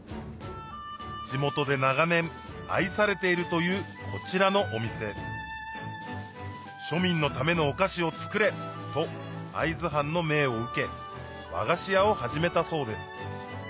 地元で長年愛されているというこちらのお店「庶民のためのお菓子を作れ」と会津藩の命を受け和菓子屋を始めたそうです